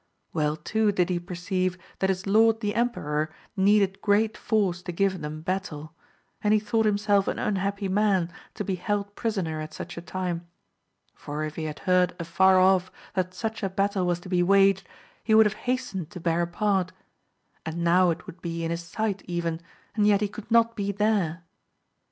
Well too did he perceive that his lord the emperor needed great force to give them battle, and he thought himself an unhappy man to be held prisoner at such a time : for if he had heard afSur off that such a battle was to be waged, he would have hastened to bear a part, and now it would be in his sight even, and yet he could not be there